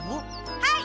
はい！